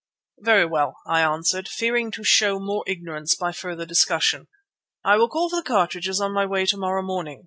"Very well," I answered, fearing to show more ignorance by further discussion. "I will call for the cartridges on my way to morrow morning.